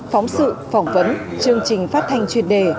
phóng sự phỏng vấn chương trình phát thanh truyền đề